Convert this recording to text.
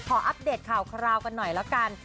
ขออัปเดตข่าวกันหน่อยละกัน